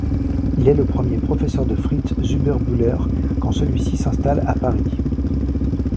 Il est le premier professeur de Fritz Zuber-Buhler quand celui-ci s'installe à Paris.